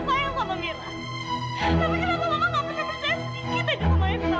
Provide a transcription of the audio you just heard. tapi kenapa mama tidak bisa percaya sedikit saja sama mama